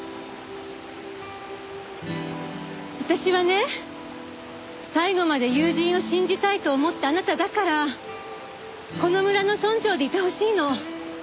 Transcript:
私はね最後まで友人を信じたいと思ったあなただからこの村の村長でいてほしいの。